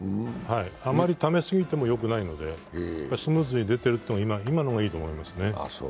あまりため過ぎてもよくないので、スムーズに出てるという、今の方がいいと思いますね。